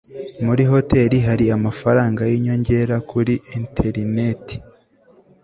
muri hoteri hari amafaranga yinyongera kuri enterineti